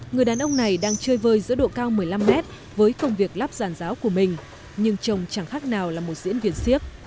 người đàn ông này đang chơi vơi giữa độ cao một mươi năm mét với công việc lắp rán giáo của mình nhưng chồng chẳng khác nào là một diễn viên siếc